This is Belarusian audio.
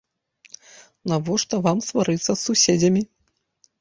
Навошта вам сварыцца з суседзямі.